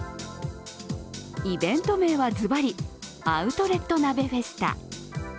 イベント名はずばり、アウトレット鍋フェスタ。